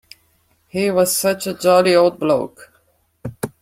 He was such a jolly old bloke.